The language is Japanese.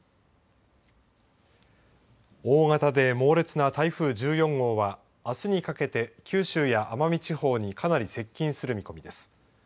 大型で猛烈な台風１４号はあすにかけて九州や奄美地方にかなり接近する見込みです。